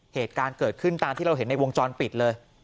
เหตุการณ์เกิดขึ้นตามที่เราเห็นในวงจรปิดเลย